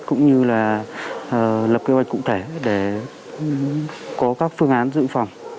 cũng như là lập kế hoạch cụ thể để có các phương án dự phòng